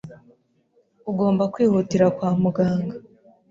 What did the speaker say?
ugomba kwihutira kwa muganga